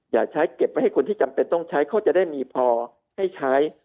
อย่าใช้เก็บไว้ให้คนที่จำเป็นต้องใช้เขาจะได้มีพอให้ใช้